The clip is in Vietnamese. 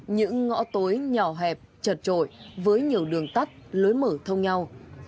những ngõ tối nhỏ hẹp trật trội với nhiều đường tắt lối mở thông nhau